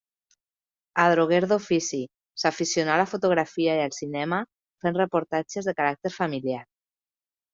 Adroguer d'ofici, s'aficionà a la fotografia i al cinema fent reportatges de caràcter familiar.